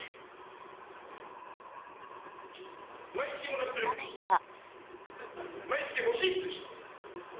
そのためには。